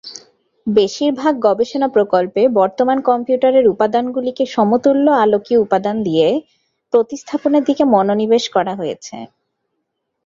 বেশিরভাগ গবেষণা প্রকল্পে বর্তমান কম্পিউটারের উপাদানগুলিকে সমতুল্য আলোকীয় উপাদান দিয়ে প্রতিস্থাপনের দিকে মনোনিবেশ করা হয়েছে।